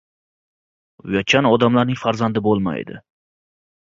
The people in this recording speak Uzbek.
• Uyatchan odamlarning farzandi bo‘lmaydi.